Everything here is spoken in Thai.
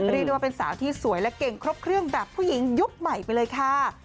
เรียกได้ว่าเป็นสาวที่สวยและเก่งครบเครื่องแบบผู้หญิงยุคใหม่ไปเลยค่ะ